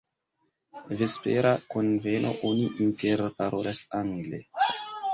Vespera kunveno, oni interparolas angle.